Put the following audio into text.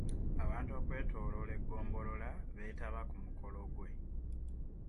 Abantu okwetolola eggombolola beetaba ku mukolo gwe.